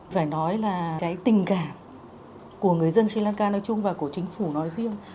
phải nói là cái tình cảm của người dân sri lanka nói chung và của chính phủ nói riêng